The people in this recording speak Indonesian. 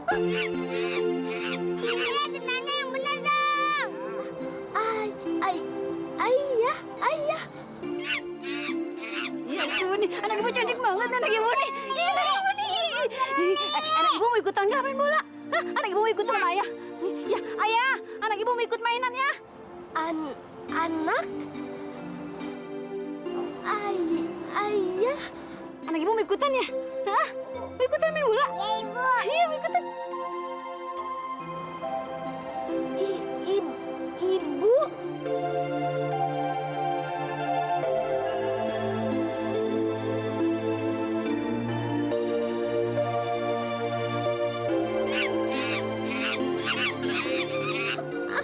ayah anak ibu mau ikut mainan ya